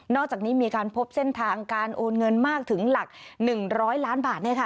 อกจากนี้มีการพบเส้นทางการโอนเงินมากถึงหลัก๑๐๐ล้านบาท